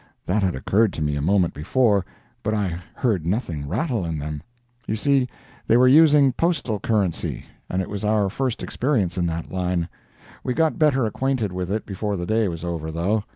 That had occurred to me a moment before, but I heard nothing rattle in them. You see, they were using postal currency, and it was our first experience in that line. We got better acquainted with it before the day was over, though.